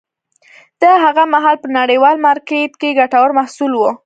دا هغه مهال په نړیوال مارکېت کې ګټور محصول و.